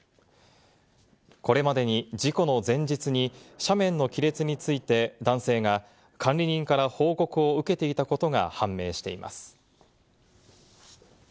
これまでに事故の前日に斜面の亀裂について男性が管理人から報告を受けていたことが判明しています。